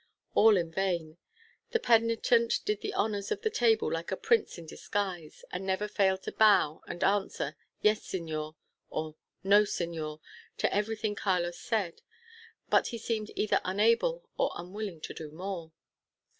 All in vain. The penitent did the honours of the table like a prince in disguise, and never failed to bow and answer, "Yes, señor," or "No, señor," to everything Carlos said. But he seemed either unable or unwilling to do more.